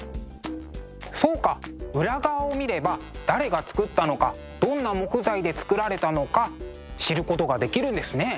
そうか裏側を見れば誰が作ったのかどんな木材で作られたのか知ることができるんですね。